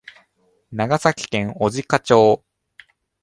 長崎県小値賀町